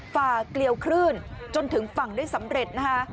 ฝ่าเกลียวคลื่นจนถึงฝั่งได้สำเร็จนะคะ